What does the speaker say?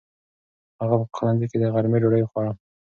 هغه په پخلنځي کې د غرمې ډوډۍ خوړه.